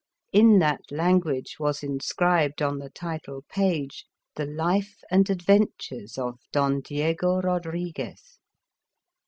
In that language was in scribed on the title page : The Life and Adventures of Don Diego Rodriguez.